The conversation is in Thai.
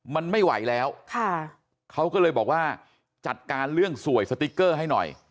มันไม่ไหวแล้วค่ะเขาก็เลยบอกว่าจัดการเรื่องสวยสติ๊กเกอร์ให้หน่อย